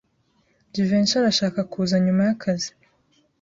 Jivency arashaka kuza nyuma yakazi.